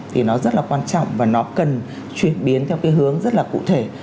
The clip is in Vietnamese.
thì nó rất là quan trọng và nó cần chuyển biến theo cái hướng rất là cụ thể